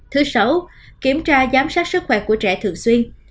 thứ sáu kiểm tra giám sát sức khỏe của trẻ thường xuyên